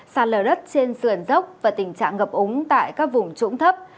xa lờ đất trên sườn dốc và tình trạng ngập úng tại các vùng trũng thấp